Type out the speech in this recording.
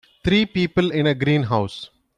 Three people in a green house.